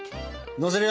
のせるよ！